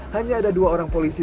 hanya ada dua orang polisi